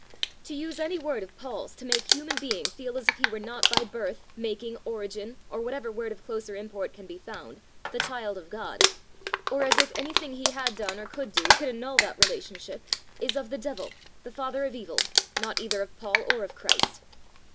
To use any word of Paul's to make human being feel as if he were not by birth, making, origin, or whatever word of closer import can be found, the child of God, or as if anything he had done or could do could annul that relationship, is of the devil, the father of evil, not either of Paul or of Christ.